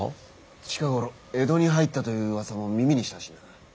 近頃江戸に入ったという噂も耳にしたしな。